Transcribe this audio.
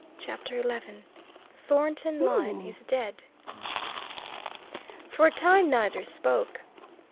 CHAPTER XI "THORNTON LYNE IS DEAD." For a time neither spoke.